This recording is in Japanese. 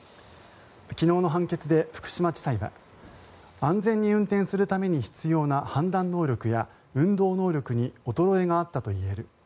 昨日の判決で福島地裁は安全に運転するために必要な判断能力や運動能力に衰えがあったといえる。